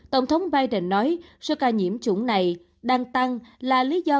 tổng thống biden nói số ca nhiễm chủng này đang tăng là lý do